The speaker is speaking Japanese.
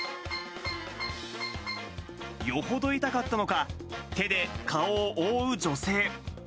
よほど痛かったのか、手で顔を覆う女性。